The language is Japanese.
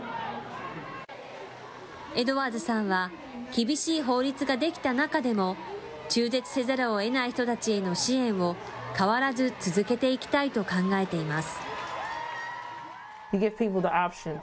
エドワーズさんは、厳しい法律が出来た中でも、中絶せざるをえない人たちへの支援を、変わらず続けていきたいと考えています。